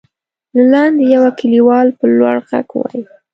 له لاندې يوه کليوال په لوړ غږ وويل: